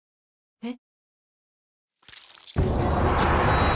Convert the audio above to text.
えっ？